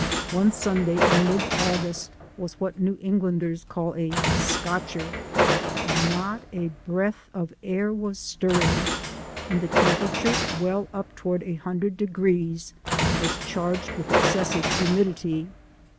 One Sunday in mid August was what New Englanders call a "scotcher." Not a breath of air was stirring and the temperature, well up to ward a hundred degrees, was charged with exces sive humidity.